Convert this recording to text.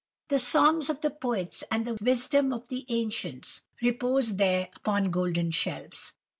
The songs of the poets and the wisdom of the ancients reposed there upon golden shelves.